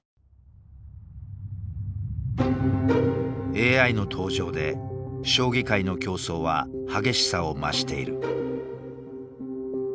ＡＩの登場で将棋界の競争は激しさを増している。